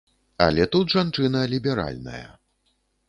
Але тут жанчына ліберальная.